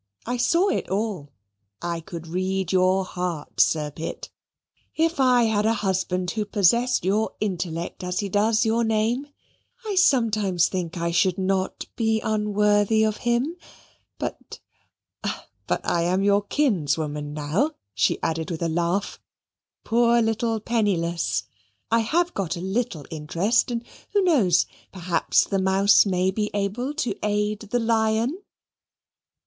I saw it all. I could read your heart, Sir Pitt. If I had a husband who possessed your intellect as he does your name, I sometimes think I should not be unworthy of him but but I am your kinswoman now," she added with a laugh. "Poor little penniless, I have got a little interest and who knows, perhaps the mouse may be able to aid the lion."